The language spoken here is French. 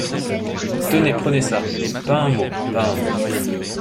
Tenez, prenez ça ! pas un mot ! pas un mot !